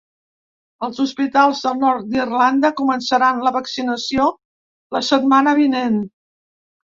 Els hospitals del nord d’Irlanda començaran la vaccinació la setmana vinent.